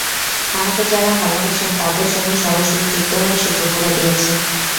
আমাকে যাঁরা ভালোবাসেন, তাঁদের সঙ্গে সরাসরি যুক্ত হওয়ার সুযোগ করে দিয়েছে।